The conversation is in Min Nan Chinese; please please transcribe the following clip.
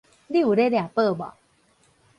你有咧掠寶無